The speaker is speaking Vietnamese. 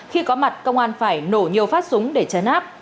khi có mặt công an phải nổ nhiều phát súng để chấn áp